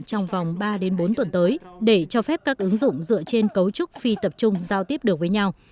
trong vòng ba bốn tuần tới để cho phép các ứng dụng dựa trên cấu trúc phi tập trung giao tiếp được với nhau